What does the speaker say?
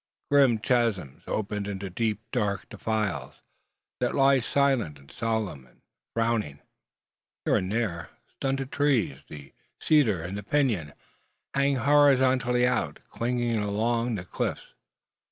Grim chasms open into deep, dark defiles, that lie silent, and solemn, and frowning. Here and there, stunted trees, the cedar and pinon, hang horizontally out, clinging along the cliffs.